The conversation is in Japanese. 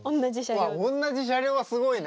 あっおんなじ車両はすごいね。